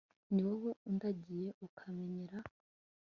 ni wowe undagiye, ukamenyera